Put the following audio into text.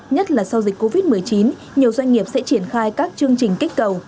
nhất là sau dịch covid một mươi chín nhiều doanh nghiệp sẽ triển khai các chương trình kích cầu